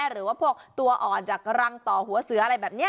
หรือว่าพวกตัวอ่อนจากรังต่อหัวเสืออะไรแบบนี้